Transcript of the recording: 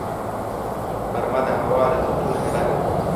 غرمه د هوا له تودوخې ډکه وي